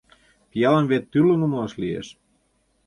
Пиалым вет тӱрлын умылаш лиеш.